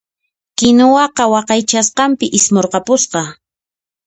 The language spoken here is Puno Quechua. Kinuwaqa waqaychasqanpi ismurqapusqa.